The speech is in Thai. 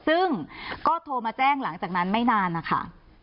ซึ่งก็โทรมาแจ้งหลังจากนั้นไม่นานนะคะ